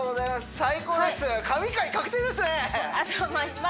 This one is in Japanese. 最高ですあ